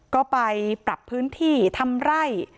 ก็ไปปรับพื้นที่ทำไร่